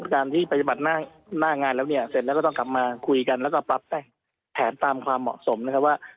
การที่ปฏิบัติหน้างานแล้วเนี่ยเสร็จแล้วก็ต้องกลับมาคุยกันแล้วก็ปรับแผนตามความเหมาะสมนะครับว่า